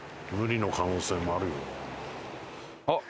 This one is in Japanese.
あっ！